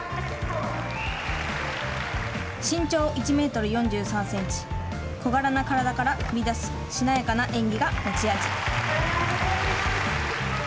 身長１メートル４３センチ小柄な体から繰り出すしなやかな演技が持ち味。